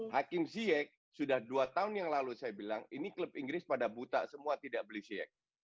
hakim siyek sudah dua tahun yang lalu saya bilang ini klub inggris pada buta semua tidak beli yek